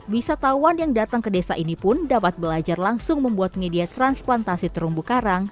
wisatawan yang datang ke desa ini pun dapat belajar langsung membuat media transplantasi terumbu karang